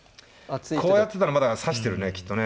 こうやってたらまだ指してるねきっとね。